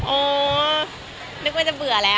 อ๋อนึกว่าจะเบื่อแล้ว